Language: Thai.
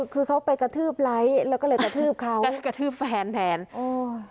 คือเขาไปกระทืบไลค์แล้วก็เลยกระทืบเขากระทืบแฟนแทนโอ้ย